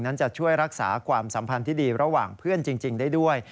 นั้นจะช่วยรักษาความสัมพันธ์ที่ดีระหว่างเพื่อนจริงได้ด้วย